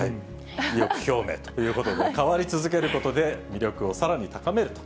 意欲表明ということで、変わり続けることで、魅力をさらに高めると。